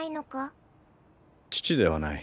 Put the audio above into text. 父ではない。